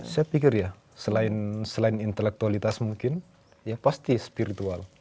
saya pikir ya selain intelektualitas mungkin ya pasti spiritual